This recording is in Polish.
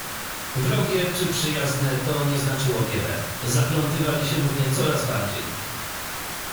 Wrogie czy przyjazne — to nie znaczyło wiele: zaplątywali się w nie coraz bardziej.